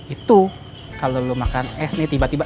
itu kalau dulu makan es nih tiba tiba